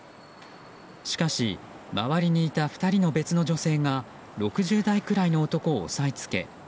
しかし、周りにいた２人の別の女性が６０代くらいの男を押さえつけ